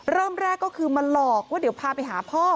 เริ่มแรกก็คือมาหลอกว่าเดี๋ยวพาไปหาพ่อ